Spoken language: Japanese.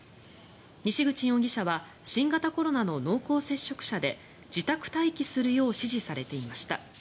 西口容疑者は新型コロナの濃厚接触者で自宅待機するよう指示されていました。